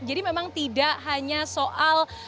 jadi memang tidak hanya soal